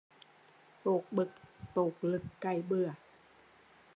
Tột bực, tột lực cày bừa